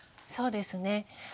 そうですね。